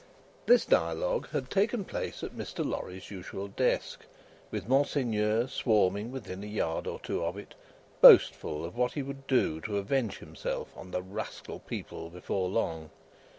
This dialogue had taken place at Mr. Lorry's usual desk, with Monseigneur swarming within a yard or two of it, boastful of what he would do to avenge himself on the rascal people before long.